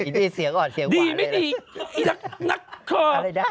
อีนี่เสียงอ่อนเสียงขวานเลยนะดีไม่ดีนักนักอะไรนะ